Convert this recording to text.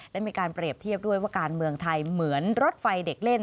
และมีการเปรียบเทียบด้วยว่าการเมืองไทยเหมือนรถไฟเด็กเล่น